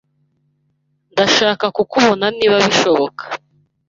Ndashaka kukubona niba bishoboka.